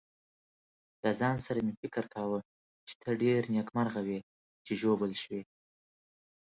له ځان سره مې فکر کاوه چې ته ډېر نېکمرغه وې چې ژوبل شوې.